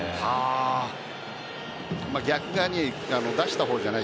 逆側に出したボールじゃない。